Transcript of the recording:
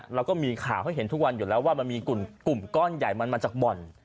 เราก็มีข่าวให้เห็นทุกวันอยู่แล้วว่ามันมีกลุ่มก้อนใหญ่มันมาจากบ่อน